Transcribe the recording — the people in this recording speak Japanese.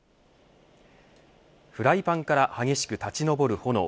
フライパンから激しく立ち昇る炎